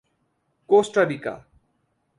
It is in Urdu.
کوسٹا ریکا